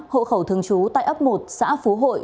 hộ khẩu thương chú tại ấp một xã phú hội